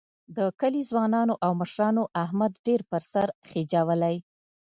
د کلي ځوانانو او مشرانو احمد ډېر په سر خېجولی